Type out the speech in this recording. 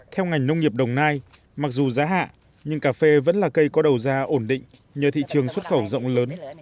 theo ngành nông nghiệp đồng nai mặc dù giá hạ nhưng cà phê vẫn là cây có đầu ra ổn định nhờ thị trường xuất khẩu rộng lớn